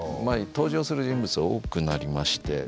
まあ登場する人物が多くなりまして。